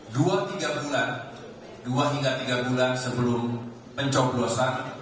dua tiga bulan dua hingga tiga bulan sebelum pencoblosan